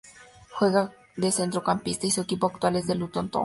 Juega de centrocampista y su equipo actual es el Luton Town.